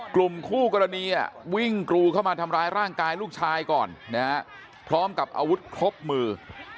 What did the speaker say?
กลุ่มคู่กรณีวิ่งกรูเข้ามาทำร้ายร่างกายลูกชายก่อนนะฮะพร้อมกับอาวุธครบมือ